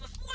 lu tau gak